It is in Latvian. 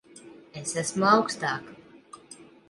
Es esmu augstāk.